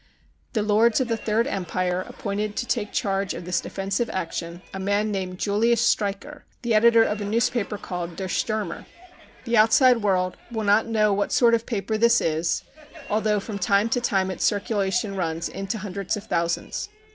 The lords of the Third Empire appointed to take charge of this defensive action a man named Julius Streicher, the editor of a newspaper called Der Sturmer . The outside world will not know what sort of a paper this is although from time to time its circulation runs into hundreds of thousands.